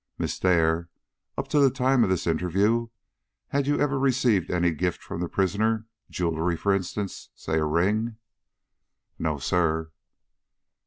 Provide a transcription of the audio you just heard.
"Miss Dare; up to the time of this interview had you ever received any gift from the prisoner jewelry, for instance say, a ring!" "No, sir."